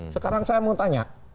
sekarang saya mau tanya